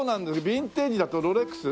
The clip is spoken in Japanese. ビンテージだとロレックス？